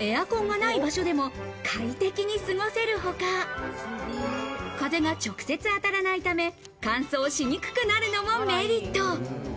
エアコンがない場所でも快適に過ごせるほか、風が直接当たらないため、乾燥しにくくなるのもメリット。